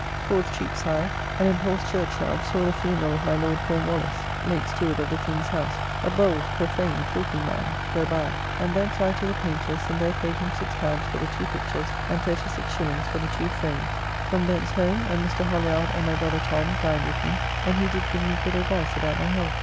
Towards Cheapside; and in Paul's Churchyard saw the funeral of my Lord Cornwallis, late Steward of the King's House, a bold profane talking man, go by, and thence I to the Paynter's, and there paid him L6 for the two pictures, and 36s. for the two frames. From thence home, and Mr. Holliard and my brother Tom dined with me, and he did give me good advice about my health.